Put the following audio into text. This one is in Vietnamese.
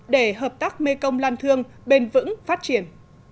để hợp tác mekong lan thương bền vững phát triển